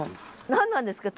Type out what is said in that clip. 何なんですか？